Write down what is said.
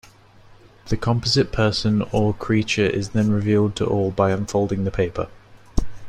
The composite person or creature is then revealed to all by unfolding the paper.